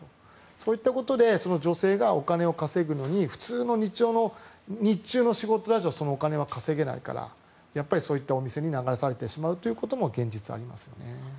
そういったことでその女性がお金を稼ぐのに普通の日中の仕事だとそのお金は稼げないからそういったお店に流されてしまうということも現実、ありますよね。